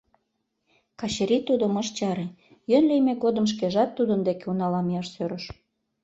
Качырий тудым ыш чаре. йӧн лийме годым шкежат тудын деке унала мияш сӧрыш.